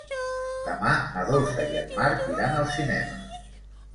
Demà na Dolça i en Marc iran al cinema.